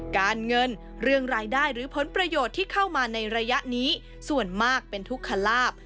การเงินเรื่องรายได้หรือผลประโยชน์ที่เข้ามาในระยะนี้ส่วนมากเป็นทุกขลาบ